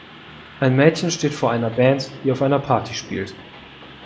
Ein Mädchen steht vor einer Band, die auf einer Party spielt